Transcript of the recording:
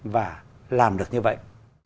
và làm được như vậy